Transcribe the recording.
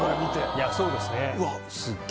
いやそうですね。